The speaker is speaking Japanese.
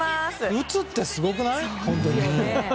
打つって、すごくない？